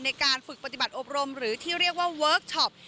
ในการฝึกปฏิบัติอบรมหรือที่เรียกว่าเวิร์คชอป